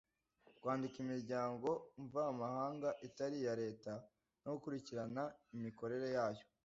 Kwandika imiryango mvamahanga itari iya Leta no gukurikirana imikorere yayo